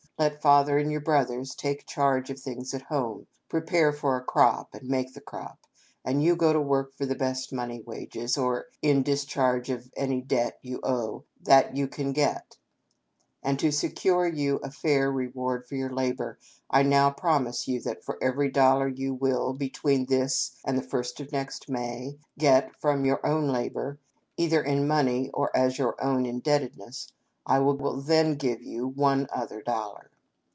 Let father and your boys take charge of things at home, prepare for a crop, and make the crop, and you go to work for the best money wages, or in dis charge of any debt you owe, that you can get, — and to secure you a fair reward for your labor, I now promise you that for every dollar you will, between this and the first of next May, get for your own labor, either in money or as your own in debtedness, I will then give you one other dollar.